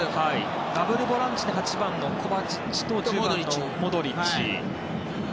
ダブルボランチに８番のコバチッチと１０番のモドリッチ。